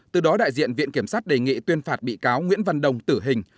từ đó đại diện viện kiểm sát đề nghị tuyên phạt bị cáo nguyễn văn đồng tử hình